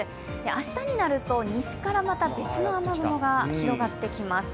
明日になると、西からまた別の雨雲が広がってきます。